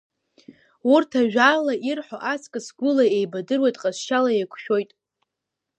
Урҭ ажәала ирҳәо аҵкыс гәыла еибадыруеит, ҟазшьала еиқәшәоит.